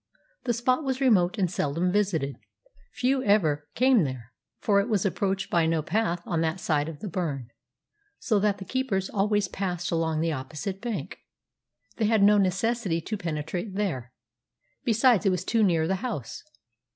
The spot was remote and seldom visited. Few ever came there, for it was approached by no path on that side of the burn, so that the keepers always passed along the opposite bank. They had no necessity to penetrate there. Besides, it was too near the house.